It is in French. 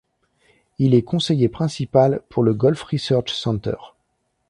Il est Conseiller Principal pour le Gulf Research Center.